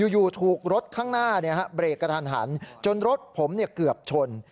อยู่ถูกรถข้างหน้าเบรกกระทันหันจนรถผมเกือบชน